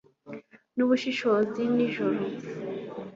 n'ubushishozi ni ijoro